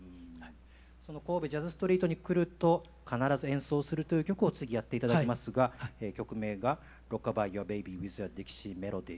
その神戸ジャズストリートに来ると必ず演奏するという曲を次やっていただきますが曲名が「Ｒｏｃｋ−Ａ−ＢｙｅＹｏｕｒＢａｂｙＷｉｔｈＡＤｉｘｉｅＭｅｌｏｄｙ」。